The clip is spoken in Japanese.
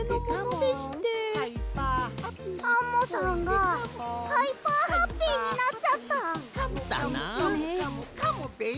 アンモさんがハイハーハッピーになっちゃった。だな。ですね。